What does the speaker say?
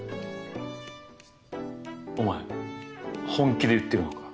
お前本気で言ってるのか？